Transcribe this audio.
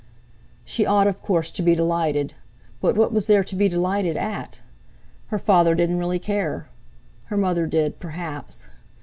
She ought, of course, to be delighted, but what was there to be delighted at? Her father didn't really care! Her mother did, perhaps?